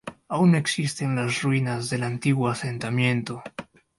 Aún existen las ruinas del antiguo asentamiento.